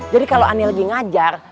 jadi kalau ane lagi ngajar